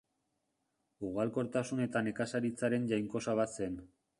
Ugalkortasun eta nekazaritzaren jainkosa bat zen.